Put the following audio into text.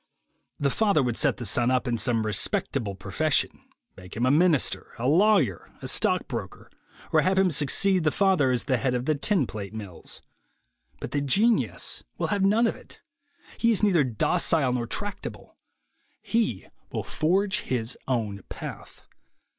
The father would set the son up in some respectable profession, make him a minister, a lawyer, a stock broker, or have him succeed the father as head of the tin plate mills; but the genius will have none of it. He is neither docile nor tractable; he will forge his own path.